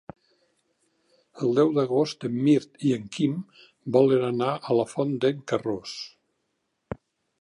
El deu d'agost en Mirt i en Quim volen anar a la Font d'en Carròs.